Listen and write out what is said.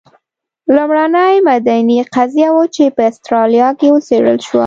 لومړنۍ مدني قضیه وه چې په اسټرالیا کې وڅېړل شوه.